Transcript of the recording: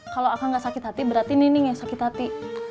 kalau akan gak sakit hati berarti nini gak sakit hati